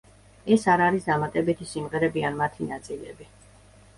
ეს არ არის დამატებითი სიმღერები ან მათი ნაწილები.